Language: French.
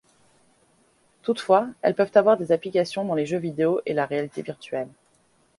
Toutefois, elles peuvent avoir des applications dans les jeux vidéo et la réalité virtuelle.